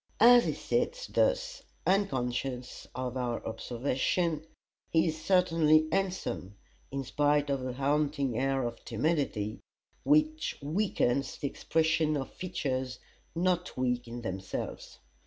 As he sits thus, unconscious of our observation, he is certainly handsome, in spite of a haunting air of timidity which weakens the expression of features not weak in themselves.